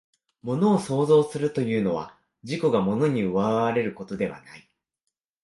物を創造するというのは、自己が物に奪われることではない。